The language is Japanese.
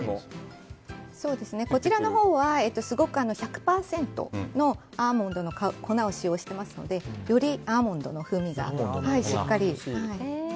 こちらのほうは１００％のアーモンドの粉を使用していますのでよりアーモンドの風味がしっかり。